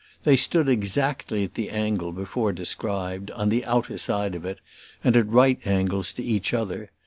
They stood exactly at the angle before described, on the outer side of it, and at right angles to each other.